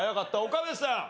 岡部さん。